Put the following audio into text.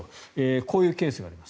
こういうケースがあります。